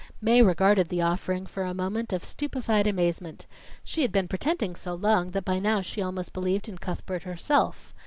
Mae regarded the offering for a moment of stupefied amazement. She had been pretending so long, that by now she almost believed in Cuthbert herself.